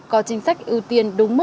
có chính sách ưu tiên đúng mức